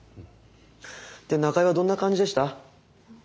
で中江はどんな感じでした？